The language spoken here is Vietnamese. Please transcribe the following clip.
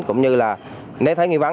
cũng như là nếu thấy nghi vắng